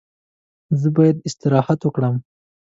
زه باید استراحت وکړم.